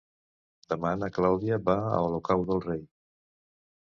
Demà na Clàudia va a Olocau del Rei.